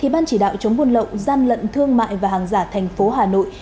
ban chỉ đạo chống buôn lậu gian lận thương mại và hàng giả thành phố hà nội